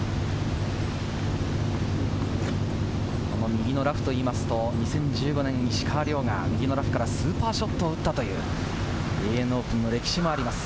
右のラフといいますと、２０１５年、石川遼が右のラフからスーパーショットを打ったというＡＮＡオープンの歴史があります。